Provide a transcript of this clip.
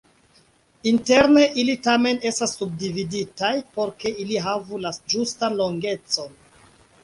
Interne ili tamen estas subdividitaj, por ke ili havu la ĝustan longecon.